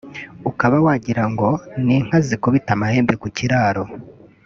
ukaba wagira ngo ni inka zikubita amahembe ku kiraro